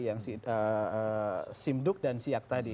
yang simduk dan siak tadi